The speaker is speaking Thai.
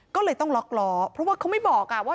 ก็เลยต้องล็อกล้อเพราะว่าเขาไม่บอกว่า